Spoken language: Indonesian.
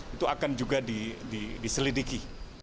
itu akan juga diselidiki